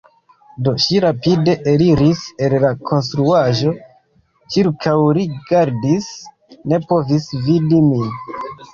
Do ŝi rapide eliris el la konstruaĵo, ĉirkaŭrigardis, ne povis vidi min.